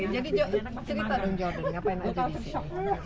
jadi cerita dong jodul ngapain aja disini